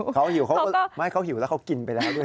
เขาหิวแล้วเขากินไปแล้วด้วย